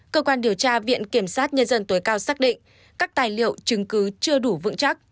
cơ quan điều tra viện kiểm sát nhân dân tối cao xác định các tài liệu chứng cứ chưa đủ vững chắc